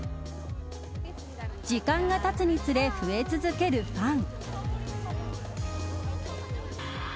時間がたつにつれ増え続けるファン。